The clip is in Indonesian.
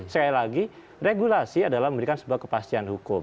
sekali lagi regulasi adalah memberikan sebuah kepastian hukum